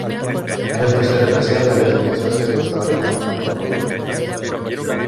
Es el tercer especial de la exitosa serie australiana "Home and Away".